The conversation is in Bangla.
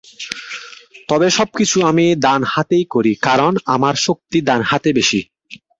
তবে সবকিছু আমি ডান হাতেই করি, কারণ, আমার শক্তি ডান হাতে বেশি।